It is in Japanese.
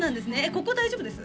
ここ大丈夫です？